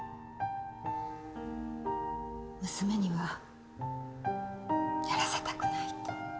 娘にはやらせたくないと。